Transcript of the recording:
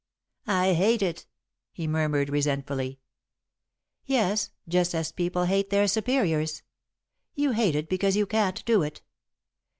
"I hate it," he murmured, resentfully. "Yes, just as people hate their superiors. You hate it because you can't do it.